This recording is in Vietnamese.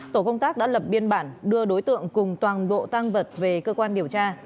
tổ công tác đã lập biên bản đưa đối tượng cùng toàn bộ tăng vật về cơ quan điều tra